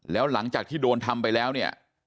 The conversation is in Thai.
แล้วหลังจากที่โดนทำไปแล้วเนี่ย